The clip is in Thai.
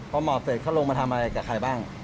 พอหมอบเสร็จเขาลงมาทำอะไรกับใครบ้าง